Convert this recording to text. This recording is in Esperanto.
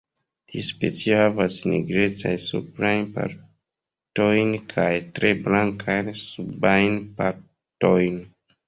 Tiu specio havas nigrecajn suprajn partojn kaj tre blankajn subajn partojn.